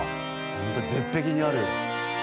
ホント絶壁にある。